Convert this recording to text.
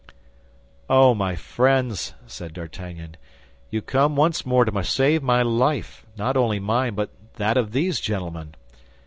"Oh, my friends," said D'Artagnan, "you come once more to save my life, not only mine but that of these gentlemen.